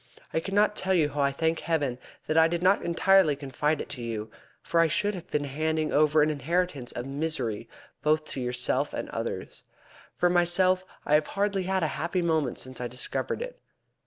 I cannot tell you how I thank Heaven that I did not entirely confide it to you, for I should have been handing over an inheritance of misery both to yourself and others. For myself I have hardly had a happy moment since I discovered it.